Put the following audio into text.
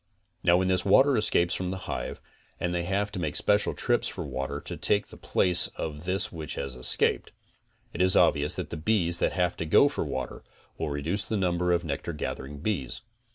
Now when this water escapes from the hive and they have to make special trips for water to take the place of this that has escaped, it is obvious that the bees that have to go for water, will reduce the number of nectar gathering bees.